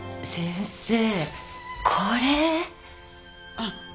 あっ。